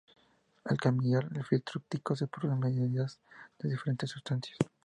Al cambiar el filtro óptico, se pueden medir las diferentes sustancias.